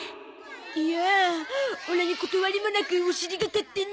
いやあオラに断りもなくおしりが勝手に。